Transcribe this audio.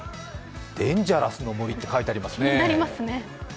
デンジャラスの森って書いてありますね。